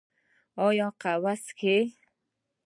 ایا قهوه څښئ؟